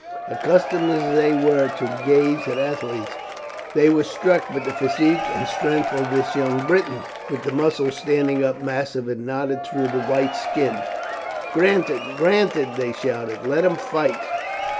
Accustomed as they were to gaze at athletes, they were struck with the physique and strength of this young Briton, with the muscles standing up massive and knotted through the white skin. "Granted, granted!" they shouted; "let him fight."